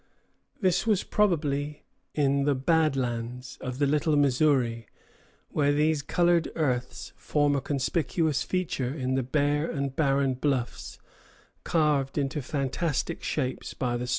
This was probably in the "bad lands" of the Little Missouri, where these colored earths form a conspicuous feature in the bare and barren bluffs, carved into fantastic shapes by the storms.